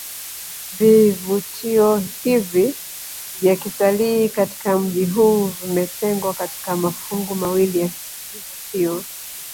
Vivutio hivi vya kitalii katika mji huu vimetengwa katika mafungu mawili ya vivutio